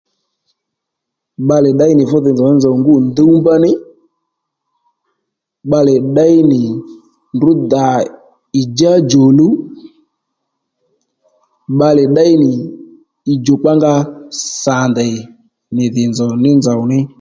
Bbalè ddéy nì fú dhì nzòw ní nzòw ngû ndúwmbá ní bbalè ddéy nì ndrǔ dà ì djá djòluw bbalè ddéy nì ì djòkpa nga sà ndèy nì dhi nzòw ní nzòw ní